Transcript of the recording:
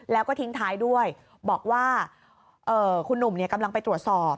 แล้วก็ทิ้งท้ายด้วยบอกว่าคุณหนุ่มกำลังไปตรวจสอบ